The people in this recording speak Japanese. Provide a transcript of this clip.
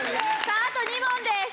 さああと２問です。